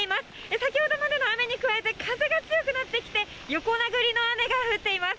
先ほどまでの雨に加えて、風が強くなってきて、横殴りの雨が降っています。